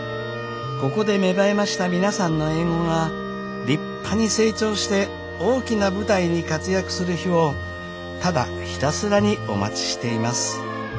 ここで芽生えました皆さんの英語が立派に成長して大きな舞台に活躍する日をただひたすらにお待ちしています。